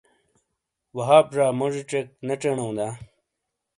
وہاب زا موجی چیک نے چینو دا؟